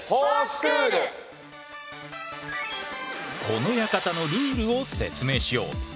この館のルールを説明しよう。